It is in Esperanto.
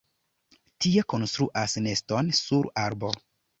Tie konstruas neston sur arbo.